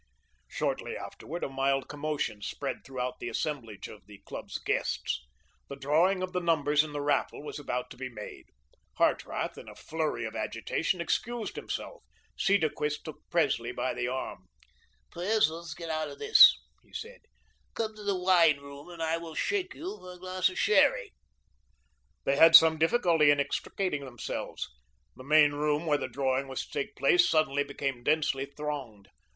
Shortly afterward a mild commotion spread throughout the assemblage of the club's guests. The drawing of the numbers in the raffle was about to be made. Hartrath, in a flurry of agitation, excused himself. Cedarquist took Presley by the arm. "Pres, let's get out of this," he said. "Come into the wine room and I will shake you for a glass of sherry." They had some difficulty in extricating themselves. The main room where the drawing was to take place suddenly became densely thronged.